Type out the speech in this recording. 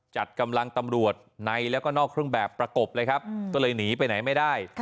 จัดกำลังตำรวจในแล้วก็นอกเครื่องแบบประกบเลยครับก็เลยหนีไปไหนไม่ได้